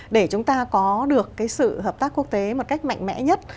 để chúng ta có được cái sự hợp tác quốc tế một cách mạnh mẽ nhất